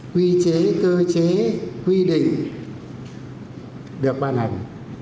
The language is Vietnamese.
quy chế cơ chế quy định được ban hành